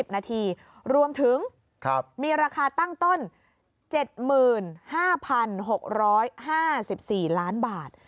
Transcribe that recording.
นาทีรวมถึงมีราคาตั้งต้น๗๕๖๕๔ล้านบาท